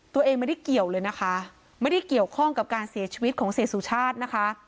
ตัวเองไม่ได้เกี่ยวเลยนะคะไม่ได้เกี่ยวข้องกับการเสียชีวิตของเสียสุชาตินะคะ